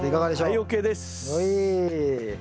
はいＯＫです。